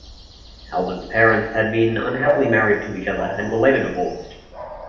Albert's parents had been unhappily married to each other and were later divorced.